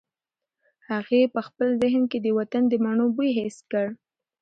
هغې په خپل ذهن کې د وطن د مڼو بوی حس کړ.